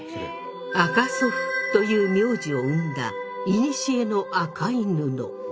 赤祖父という名字を生んだいにしえの赤い布。